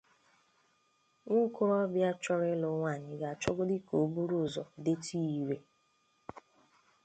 nwaokorobịa chọrọ ịlụ nwaanyị ga-achọgodi ka o buru ụzọ detụ ya ire